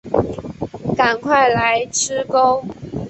赶快来吃钩